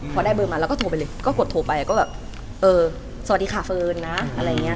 พอได้เบอร์มาเราก็โทรไปเลยก็กดโทรไปก็แบบเออสวัสดีค่ะเฟิร์นนะอะไรอย่างนี้